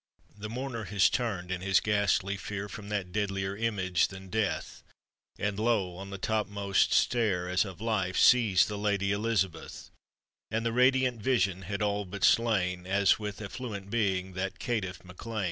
The mourner has turned in 1m ghastly fe.r trom that deadlier image than death And lo, on the topmost stair, as of ]jfe Sees the Lady Elizabeth, And the radiant vision had all but slain As with effluent being, that caitiff MacLean.